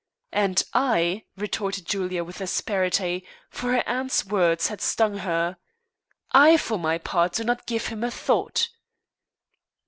"And I," retorted Julia with asperity, for her aunt's words had stung her "I, for my part, do not give him a thought."